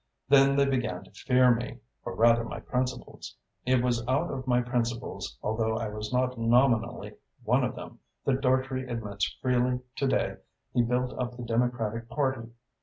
Then they began to fear me, or rather my principles. It was out of my principles, although I was not nominally one of them, that Dartrey admits freely to day he built up the Democratic Party.